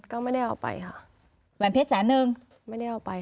ก็ไม่ได้เอาไปค่ะแหวนเพชรแสนนึงไม่ได้เอาไป